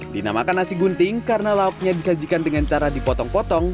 dinamakan nasi gunting karena lauknya disajikan dengan cara dipotong potong